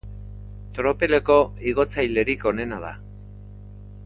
Tropeleko igotzailerik onena da.